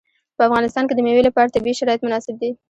په افغانستان کې د مېوې لپاره طبیعي شرایط مناسب دي.